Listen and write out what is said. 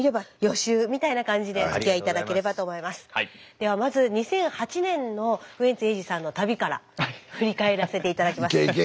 ではまず２００８年のウエンツ瑛士さんの旅から振り返らせて頂きます。